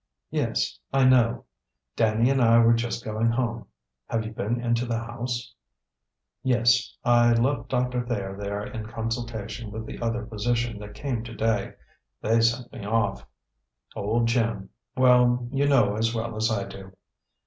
"Yes, I know; Danny and I were just going home. Have you been into the house?" "Yes, I left Doctor Thayer there in consultation with the other physician that came to day. They sent me off. Old Jim well, you know as well as I do.